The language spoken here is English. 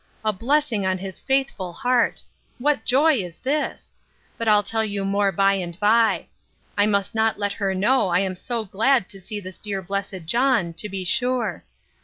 —A blessing on his faithful heart! What joy is this! But I'll tell you more by and by. I must not let her know I am so glad to see this dear blessed John, to be sure!